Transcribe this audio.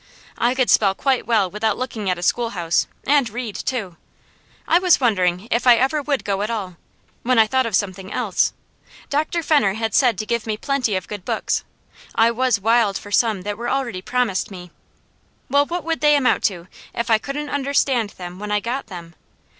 I could spell quite well without looking at a schoolhouse, and read too. I was wondering if I ever would go at all, when I thought of something else. Dr. Fenner had said to give me plenty of good books. I was wild for some that were already promised me. Well, what would they amount to if I couldn't understand them when I got them?